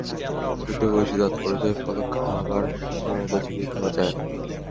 বৃদ্ধ বয়সে দাঁত পড়ে যায়, ফলে খাবার ভালোমতো চিবিয়ে খাওয়া যায় না।